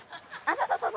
そうそうそう。